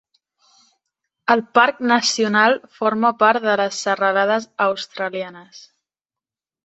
El parc nacional forma part de les Serralades Australianes.